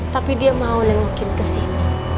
tapi dia mau nemokin kesini